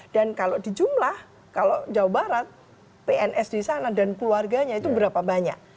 dan kalau di jumlah kalau jawa barat pns di sana dan keluarganya itu berapa banyak